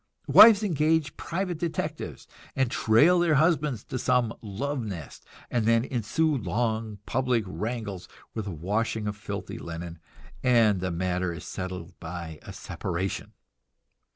Wives engage private detectives, and trail their husbands to some "love nest," and then ensue long public wrangles, with washing of filthy linen, and the matter is settled by a "separation."